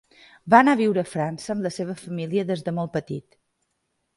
Va anar a viure a França amb la seva família des de molt petit.